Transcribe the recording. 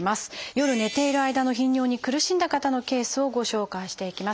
夜寝ている間の頻尿に苦しんだ方のケースをご紹介していきます。